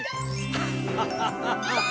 ハハハハハ。